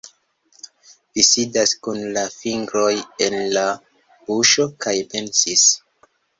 Mi sidas kun la fingroj en la buŝo kaj pensis